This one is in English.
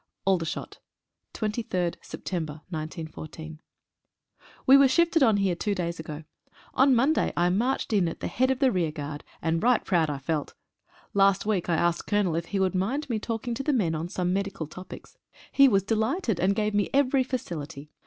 Aldershot 23/9/14. E were shifted on here two days ago. On Monday I marched in at the head of the rear guard, and right proud I felt. Last week I asked the Colonel if he would mind me talking to the men on some medical topics. He was delighted, and gave me every facility.